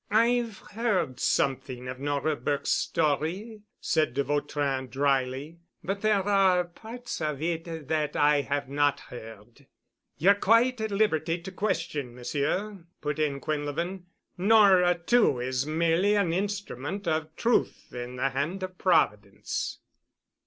"I've heard something of Nora Burke's story," said de Vautrin dryly, "but there are parts of it that I have not heard." "Ye're quite at liberty to question, Monsieur," put in Quinlevin, "Nora too is merely an instrument of truth in the hand of Providence."